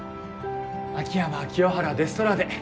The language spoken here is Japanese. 秋山清原デストラーデ。